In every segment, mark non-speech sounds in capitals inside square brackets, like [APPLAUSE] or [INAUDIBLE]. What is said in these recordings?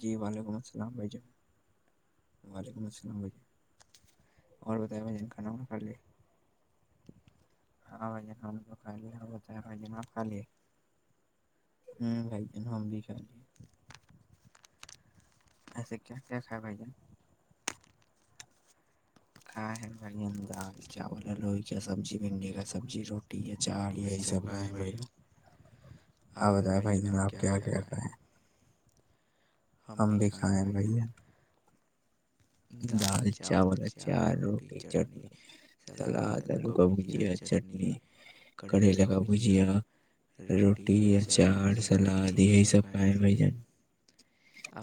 جی وعلیکم السلام بھائی جان وعلیکم السلام بھ اور بتا بھ کھانا ک کھا ل ہاں بھ کھا ل ب بھ آپ کھا لی ہ بھائی ہم بھی کھا لی ایسے کیا کیا کا ہے بھائی ج ہاں ہے بڑیا دال چاول ہے لوئی کا سبزی بھنڈی کا سبزی روٹی ہے چاار یہ سب بھیا آپ بتائیں بھائی جناب آپ کیا کیا کریں ہم بھی کھائیں بھے دال چاول اچار روٹی چٹنی سلاد آلو کا بھجیا چٹنی کریل کا بھجیا روٹی اچار سلاد یہی سب کھائےیں بھ جان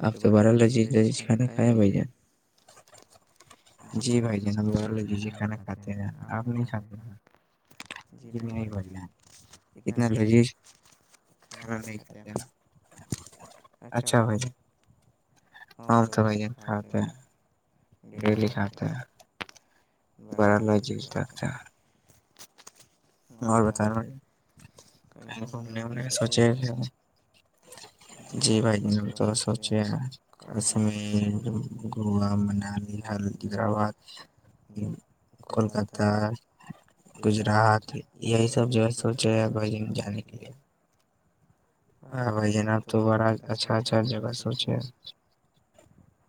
آپ تو بارہ وال چیی کھانا کھائےیں بھ جان جی بھائی جان ہم ب لجیی کھانا کھاتے ہیں آپ نہیں کھاتے جی نہیں بھائی جان اتنا لجی کھانا نہیں کھاتے ہیں اچھا بھائی ج ہ تو بھائی جان کھات ت ڈیلی کتے ہیں بڑ لو جیل ڈاکتا ہے اور بتا رہا ہوں گھومنےنے سوچے جی بھائی تو سوچے کشمیر گووا منالی ح حیدرآباد کولکاتہ گجرات یہی سب جو ہے سوچےے ا بن جانے کے لیے ہاں بھائی جناب تو بڑا اچھا اچھا جگہ سوچے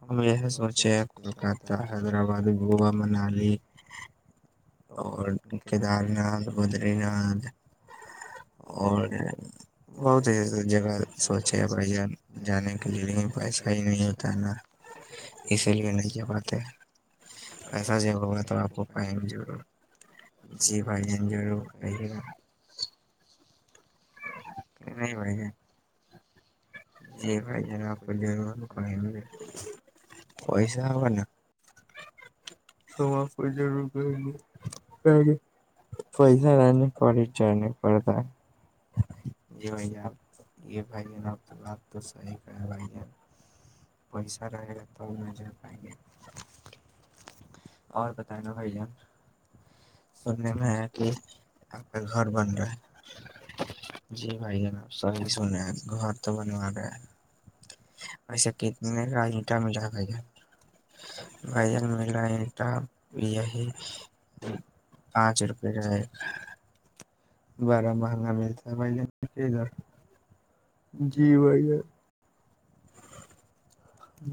ہم یہ سوچے ہیں کولکاتہ حیدر آباد گووا منالی اور کیدار ناتھ بدری ناتھ اور بہت جگہ سوچے بھائی جانے کے لیے پیسا ہی نہیں ہوتا ہے نا اسی لیے ن بات پسا ج ہوگا تو آپ کو پائ جی بھائی انجائے کرے تو نہیں بھائی ہے جی بھائی جناب کو جرمان کوائ گے پیسہ ہوگ نا تو آپ کو جرور پ پیسہ نہ نہیں کالج ج نہیں پڑتا ہے جی بھائی آپ یہ بھائی جان آپ تو بات تو صحیح کہیں بھائی جان پیسا رہے گا تب نہیں جا پائیں گے اور بتینا بھیا سننے میں ہے کہ آ کا گھر بن رہا جی بھائی جان آپ سحی سنے ہیں گھر تو بنوا رہے ہیں ایسے کتنے کا اٹا مٹا بھائی ج بھائی جان لائن یہ پچ روپے ج بڑا مہنگا ملتا بھ جی وہ ہے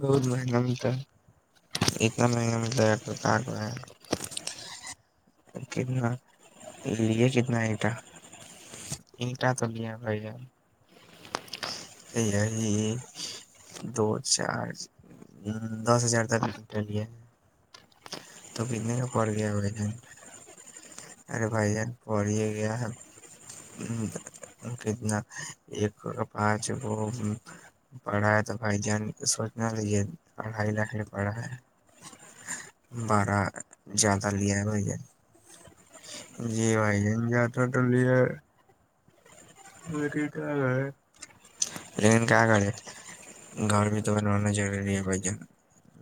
بہت مہنگا ملتا ہے اتنا مہنگا ملتا ہے کتنا لیے کتنا اینٹا اینٹا تو لیا بھائی جان یہ دو چار دس ہزار تک ل لیے تو کتنے کا پڑ گیا بھائی جان ارے بھائی جان پڑھ ہی گیا کتنا ایک س پانچ تو پڑھایا تو بھائی جان سوچنا رہیے اڑھائی لاک کے لے پڑا ہے بارہ زیادہ لیا ہے بھائی ج جی بھائی ج زیادہ تو لییا ا ٹھیک ٹھاک ہے لیکن کیا کرے گھر بھی تو بنوانا ضروری ہے بھائی جان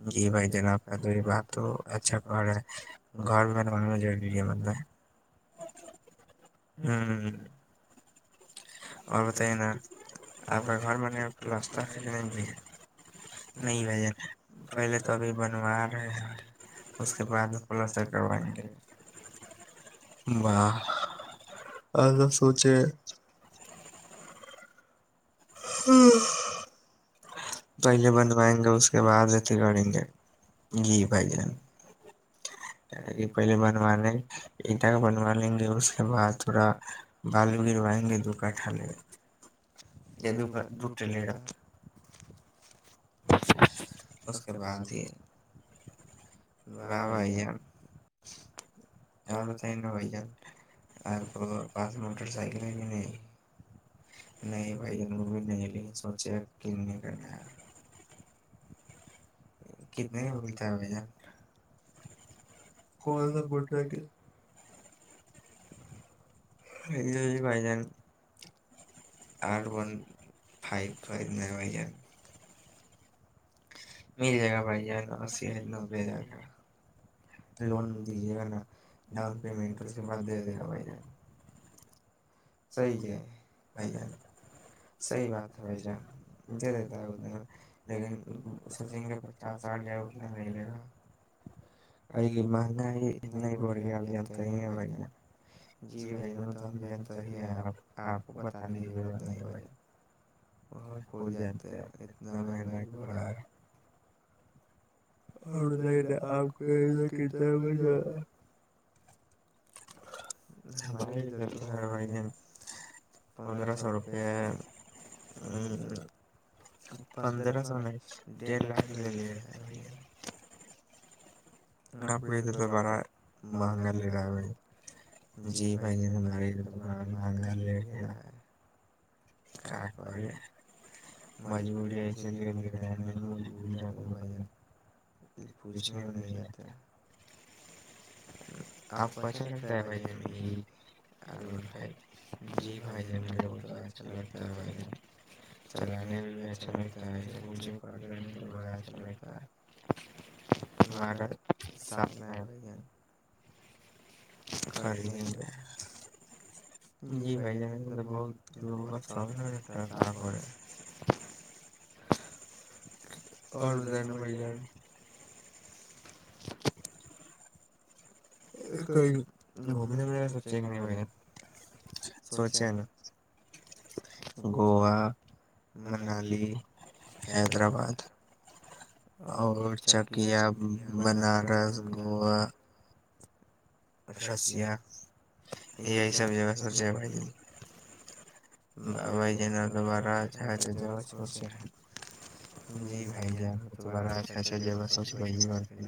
جی بھائی جان آپ کا تو یہ بات تو اچھا کر رہا ہے گھر بھی بنوانا ضروری ہے مطلب ہوں اور بت یہ نا آپ گھر میں راستہ ہے نہیں بھ جن پہلے تو ابھی بنوا رہے ہیں اس کے بعد پلسر کروائیں گے واہ سوچے ہوں پہلے بنوائیں گے اس کے بعد اتھی کریں گے جی بھائی جان یہ پہلے بنوان لے ایکٹ کا بنوا لیں گے اس کے بعد تھوڑا بالو گروائیں گے دو کٹھا لےٹ لے رہا [INAUDIBLE] اس کے بعد ہی واہ بائی ہے اور بتائیے نا بھائی جان آپ کو پاس موٹر سائیکل ہے کہ نہیں نہیں بھائی جن وہ بھی نہیں سوچے نہیں کرنا کتنے ہی ملتا ہے ب جان کوال س ب ہے ا بھائی جان اور ون فائیف خ ن بجن مل جائے گا بھائی جان اسی نوے ہزار کا لون دیجیے گا نا ڈاؤن پیمنٹ اس کے بعد دے دے گا بھائی جان [UNINTELLIGIBLE] صحیح ہے آپ آپ کو پت نہیں ضرورا نہیں بھائیکول جاتے اتنا مہگہ ہی بڑھا رہ اور آپ کے کتے ہمارے ادھر تو ہا بھیجیں پندرسو روپیہ ہے پندرہ سو نہیں ڈیڑھ لاکھ لے لے رہے ہے بھائی جان آپ یہ تو تو بڑا مہنگا لے رہا ہے بھائی جی بھائی ہمارے یہ تو تو بڑا مہنگا لے لے رہا ہے [INAUDIBLE] مج پوڑی پوچھنے میں نہیں جاتے آپ کو اچھا لگتا ہے بھائی ج بھائی جی بھائی ج میرے کو اچھا لگتا ہے بھائی ج چلانے میں بھی اچھا لگتا ہے ایھ تو با اچھا لگتا ہے ہمارا سپنا ہے بھائیان نہیں جی بائی جا تو بہت ل س اور بتائیے بھیجیں کہئی گھومنے میں میرا سوچے کہ نہیں بجن سوچے نا گووا منالی حیدر آباد اور چکیا بنارس گووا سسیہ یہی سب جگہ س جائے بڑ جا بڑا اچھا سچ جی بھائی ج بڑا اچھا سوچ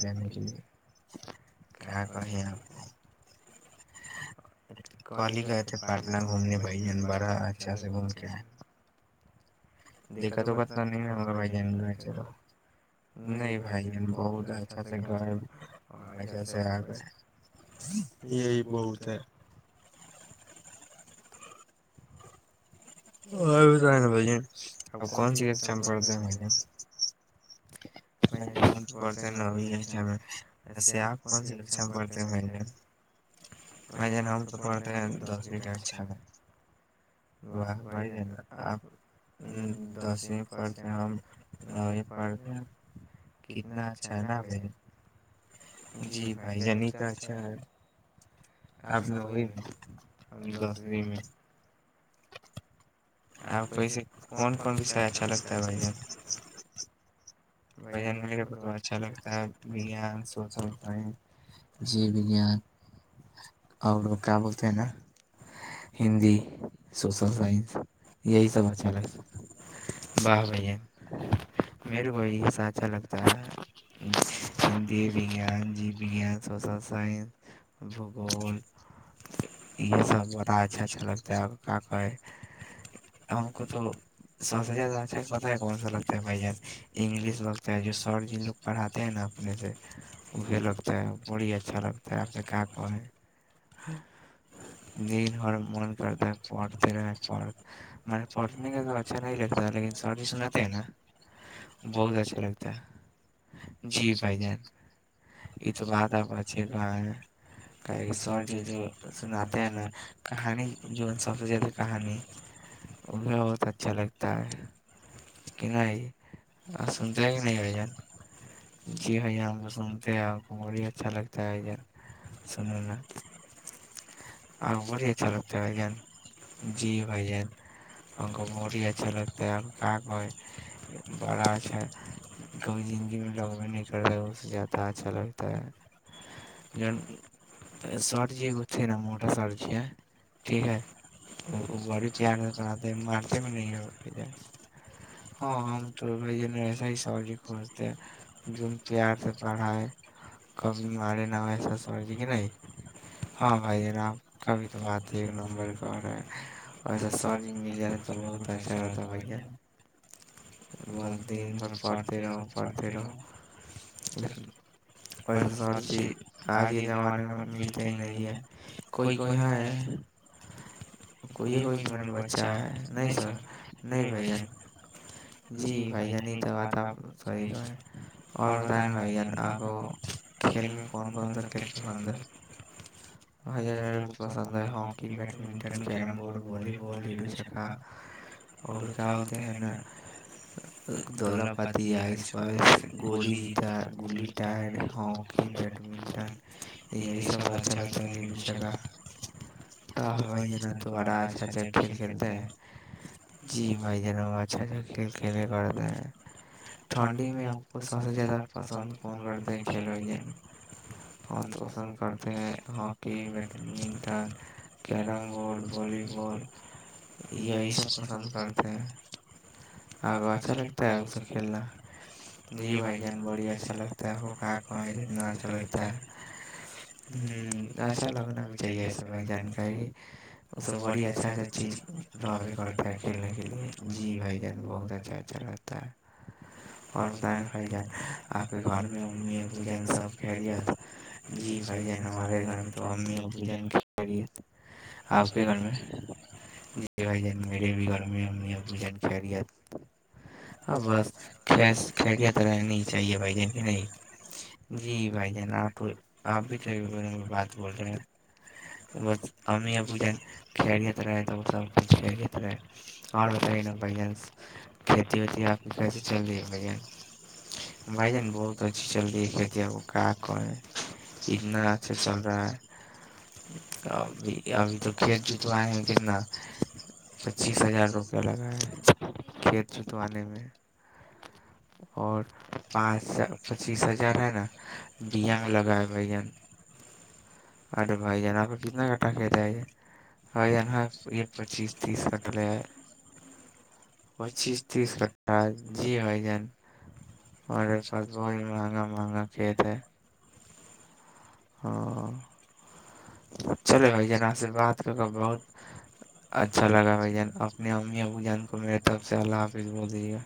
جان کے لی کیا کہے آپ کال گئے تھے پاٹن گھومنے بھائی بڑا اچھا سے بول کے ہیں دقت وتنا نہیں ہوگا بھائی گئے چلو نہیں بھائی جن بہت اچھا سے گئے اچھا سے آ گئے یہی بہت ہے ہاں بت ہے نا بھائی اب کون سی کشا میں پڑھتے ہیں بھ پڑھتے نو ایسے آپ کون سی لش پڑھتے ہیں بھیجیں ہم تو پڑھتے ہیں دس بھی لھا میں واہ واہ بھیجیں آپ دس ہی پڑتے ہیں ہم نو ہی پڑتے ہیں کتنا اچھا ہے نا بھ جی بھائی جانی تو اچھا ہے [UNINTELLIGIBLE] آپ نے وہیلہفری میں [UNINTELLIGIBLE] آپ کو ایسے کون کون وس ہے اچھا لگتا ہے بھائی ج بھ میرے کو تو اچھا لگتا ہےان سوشل سائنسان اور کیا بولتے ہیں نا ہندی سوشل سائنس یہی سب اچھا لگتا واہ بھین [UNINTELLIGIBLE] اچھا لگتا ہے ہندی وجان جیو وجان سوشل سائنس بھوگول یہ سب بڑا اچھا اچھا لگتا ہے اور کا کہ ہم کو تو سب سے زیادہ اچھا پتا ہے کون سا لگتا ہے بھجن انگلیش لگ جو سر جی لوگ پڑھاتے ہیں نا اپنے سے اے لگتا ہے بڑی اچھا لگتا ہے اب تو کیا کہے دن بھر من کرتا ہے پڑھتے رہڑھ م پڑھنے کا تو اچھا نہیں لگتا لیکن سر جی سناتے ہیں نا [UNINTELLIGIBLE] بہت اچ [UNINTELLIGIBLE] اچھا لگتا ہے جی بھائی جان یہ تو بات آپ اچے کہاں ہیں کہ س جو سناتے ہیں نا کہانی جو سب سے زیادہ کہانی وہ ہے بہت اچھا لگتا ہے کہ نہیںائی سنتے ہیں کہ نہیں اان جی جان سنتے ہیں آ کو بی اچھا لگتا ہےنے میں آ بڑی اچھا لگتا ہےن جی بائی جان ہم کو بڑی اچھا لگتا ہے کو بڑا اچھا کوئی زگی میں ل نکل گا لگتا ہے س جی نا موٹر س ٹھیک ہے گی تار کر مارتے نہیں ہاں ہم تو بائی جنے س ہی سر جی کھجتے جو پیار سے پڑھائے کبھی مارے نہ ویسا سر جی کی نہیں ہاں بھائی جناب کبھی تو بات ہی ایک نمبر کا رہا ہے ویسا س جی مل جائے رہا تو بہت اچھا رہتا ہے بھائی جان بس دیک پڑھتے رہو پڑھتے رہو لیکن ویسے سر جی آج کے زمانے میں ملتے ہی نہیں ہیں کوئی کوئی ہے کوئی کوئی بچہ ہے نہیں سر نہیں بھ جن جیائی [UNINTELLIGIBLE] بھائی جان تو بات آپ صحیح کہیں اور بتیں نا بھائی جان آپ کو کھیل میں کون کون سا کھیل پسند ہے وہ ج پسند ہے hockey badminton carrom board volley ball لڈو چھکا اور کیا بولتے ہیں نا [UNINTELLIGIBLE] دلا پاتی آئس پس گلی جتاا گلی ٹائر ہکی بیڈمنٹن یہ سب ب چا لڈو چکا آ بھائی جانا توا اچھا اچھا کھیل کھیلتا ہے جی بھائی جانا اچھا اچھا کھیل کھیل [UNINTELLIGIBLE] کرتے ہیں ٹھنڈی میں آپ کو سب سے زیادہ پسند کون کرتے ہیں کھیلوجین کون تو پسند کرتے ہیں hockey badminton carrom board volley بال یہ یہی سب پسند کرتے ہیں ا اچھا لگتا ہے ا سب کھیلنا جی بھائی جان بولے اچھا لگتا ہے اتنا اچھا لگتا ہے ہ اچھا لگنا بھی چاہیے ایسا بائی جان کا کہ اس سب بڑی اچھا اچھا چیز رہبے کرتا ہے کھیلنے کے لیے جی بھائی جان بہت ا چلا ہے اور بت نا جان آپ کے گھر میں امی پو جن سب گریت جی بائی جان ہمارے گھر میں تو امییاں پوجن کھ لیت آپ کے گھر میں جی بھائی جان میرے بھی گھر میں امیاں پوجن کھل ہ بس خیریت رہنی ہی چاہیے بھائی جان کی نہیں جی بھائی جان آ تو آپ بھی بارے میں بات بول رہے ہیں ب امی ابو جان کھیلت رہے تو وہ سب کچھ کھیلت رہے اور بت پہ کھتی رھتی ھے آپ کی کیسی چل رہی ہے [INAUDIBLE] بہت اچھی چل رہی ہے اتنا اچھا چل رہا ہے ابھی ابھی تو کھیت جتوائے ہیں کتنا پچیس ہزار روپیہ لگا ہے کھیت جتوانے میں اور پانچ پچیس ہزار ہے نا ڈیا میں لگائے پچیس تیس کاٹ رھے [INAUDIBLE] پچیس تیس کٹتا ھے جی بھائی جان ہمارے پاس بہت ہی مہنگا مہنگا کھیت ہے ہاں چلے بھائی جان آپ سے بات کر بہت اچھا لگا بھائی جان اپنی امی ابوجان ہماری طرف سے اللہ حافظ بول دیجیے